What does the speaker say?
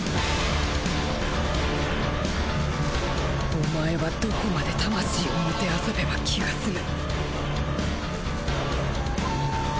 お前はどこまで魂を弄べば気が済む。